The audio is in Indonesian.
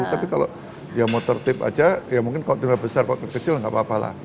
tapi kalau ya motor tip aja ya mungkin kalau timnya besar kalau kecil nggak apa apa lah